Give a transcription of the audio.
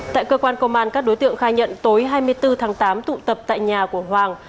tại cơ quan công an các đối tượng khai nhận tối hai mươi bốn tháng tám tụ tập tại nhà của hoàng